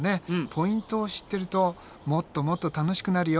ポイントを知ってるともっともっと楽しくなるよ。